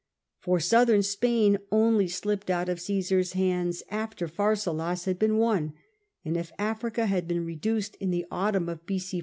For southern Spain only slipped out of Caesar's hands after Pharsalus had been won; and if Africa had been reduced in the autumn of B.c.